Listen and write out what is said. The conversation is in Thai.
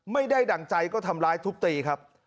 ไม่ได้ดั่งใจก็ทำร้ายทุกตีครับ